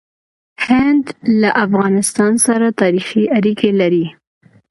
هند له افغانستان سره تاریخي اړیکې لري.